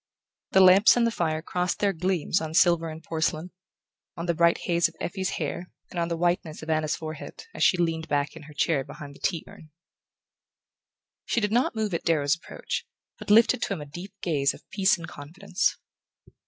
The lamps and the fire crossed their gleams on silver and porcelain, on the bright haze of Effie's hair and on the whiteness of Anna's forehead, as she leaned back in her chair behind the tea urn. She did not move at Darrow's approach, but lifted to him a deep gaze of peace and confidence.